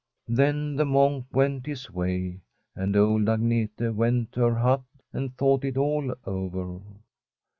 ' Then the monk went his way, and old Agnete went to her hut and thought it all over.